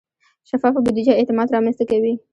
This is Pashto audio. شفافه بودیجه اعتماد رامنځته کوي.